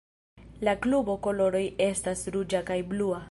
La klubo koloroj estas ruĝa kaj blua.